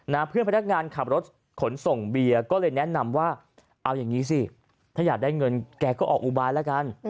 เพื่อนพนักงานขับรถขนส่งเบียร์ก็เลยแนะนำว่าเอาอย่างนี้สิถ้าอยากได้เงินแกก็ออกอุบายแล้วกัน